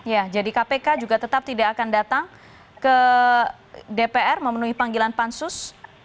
ya jadi kpk juga tetap tidak akan datang ke dpr memenuhi panggilan pansus